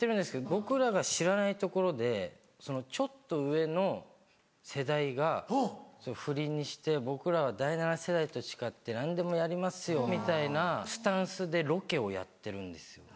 僕らが知らないところでちょっと上の世代がふりにして「僕らは第７世代と違って何でもやりますよ」みたいなスタンスでロケをやってるんですよね。